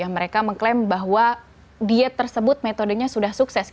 mereka mengklaim bahwa diet tersebut metodenya sudah sukses